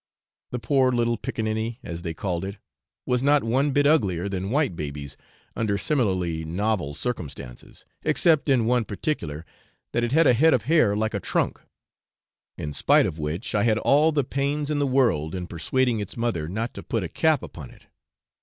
The poor little piccaninny, as they called it, was not one bit uglier than white babies under similarly novel circumstances, except in one particular, that it had a head of hair like a trunk, in spite of which I had all the pains in the world in persuading its mother not to put a cap upon it.